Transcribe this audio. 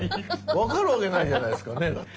分かるわけないじゃないっすかねだって。